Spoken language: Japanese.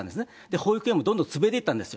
保育園もどんどん潰れていったんですよ。